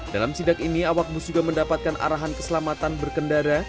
dalam sidak ini awak bus juga mendapatkan arahan keselamatan berkendara